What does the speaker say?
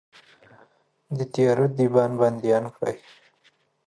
د تیارو دیبان بنديان کړئ